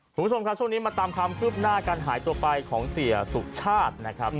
คุณผู้ชมครับช่วงนี้มาตามความคืบหน้าการหายตัวไปของเสียสุชาตินะครับ